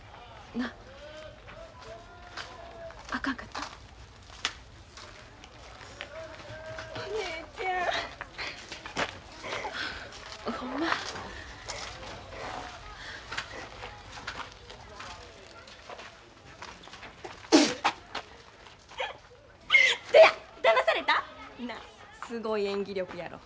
なあすごい演技力やろ。